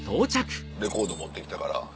レコード持ってきたから。